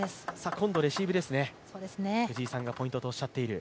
今度レシーブですね、藤井さんがポイントとおっしゃっている。